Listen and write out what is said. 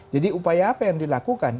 jadi upaya apa yang dilakukan